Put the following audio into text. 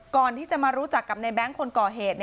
ก่อนที่จะมารู้จักกับในแบงค์คนก่อเหตุ